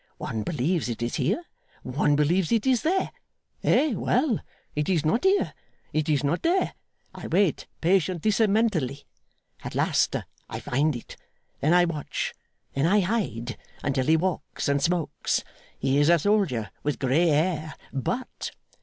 One. believes it is here, one believes it is there. Eh well! It is not here, it is not there. I wait patientissamentally. At last I find it. Then I watch; then I hide, until he walks and smokes. He is a soldier with grey hair But!